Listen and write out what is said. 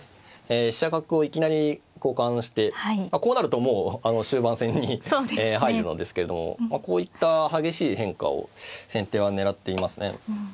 飛車角をいきなり交換してこうなるともう終盤戦に入るのですけれどもこういった激しい変化を先手は狙っていますね。